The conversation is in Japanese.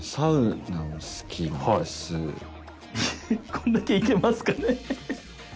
こんだけいけますかね？